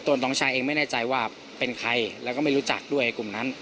น้องชายเองไม่แน่ใจว่าเป็นใครแล้วก็ไม่รู้จักด้วยกลุ่มนั้น